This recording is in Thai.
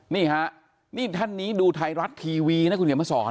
นี่ฮะนี่ท่านนี้ดูไทยรัฐทีวีนะคุณเขียนมาสอน